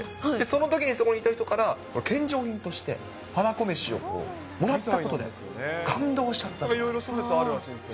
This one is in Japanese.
そのときにそこにいた人から、献上品として、はらこ飯をもらったことで、感動しちゃったそうで。